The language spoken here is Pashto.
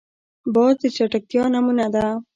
باز د چټکتیا نمونه ده